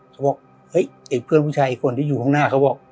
เขาบอกเฮ้ยไอ้เพื่อนผู้ชายอีกคนที่อยู่ข้างหน้าเขาบอก